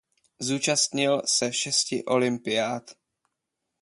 Zúčastnil se šesti olympiád.